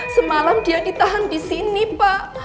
semalam dia ditahan di sini pak